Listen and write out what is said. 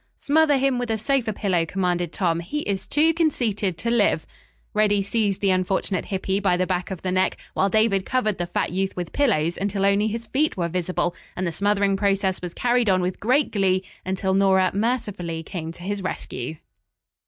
"Smother him with a sofa pillow!" commanded Tom. "He is too conceited to live." Reddy seized the unfortunate Hippy by the back of the neck, while David covered the fat youth with pillows until only his feet were visible and the smothering process was carried on with great glee until Nora mercifully came to his rescue.